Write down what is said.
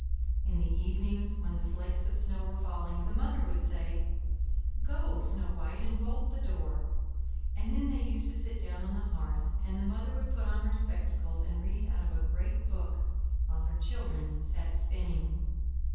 In the evenings, when the flakes of snow were falling, the Mother would say: "Go, Snow White, and bolt the door;" and then they used to sit down on the hearth, and the Mother would put on her spectacles and read out of a great book while her children sat spinning.